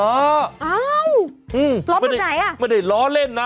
อ้าวล้อแบบไหนอ่ะไม่ได้ล้อเล่นนะ